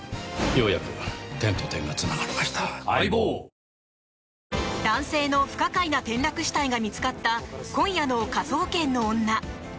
お申込みは男性の不可解な転落死体が見つかった今夜の「科捜研の女」。